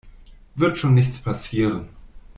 Wird schon nichts passieren.